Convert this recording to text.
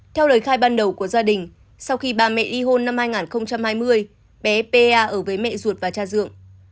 theo lời khai ban đầu của gia đình sau khi ba mẹ đi hôn năm hai nghìn hai mươi bé pa ở với mẹ ruột và cha dưỡng